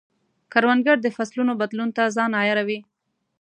کروندګر د فصلونو بدلون ته ځان عیاروي